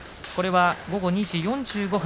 午後２時４５分